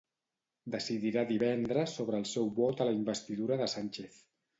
Decidirà divendres sobre el seu vot a la investidura de Sánchez.